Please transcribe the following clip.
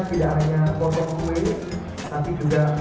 jualan maksa kilodok